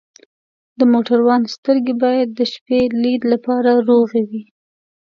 د موټروان سترګې باید د شپې لید لپاره روغې وي.